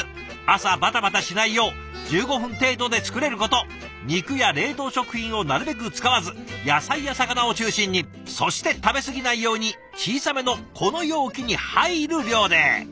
朝バタバタしないよう１５分程度で作れること肉や冷凍食品をなるべく使わず野菜や魚を中心にそして食べ過ぎないように小さめのこの容器に入る量で。